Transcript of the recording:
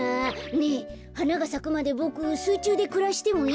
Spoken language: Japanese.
ねえはながさくまでボクすいちゅうでくらしてもいい？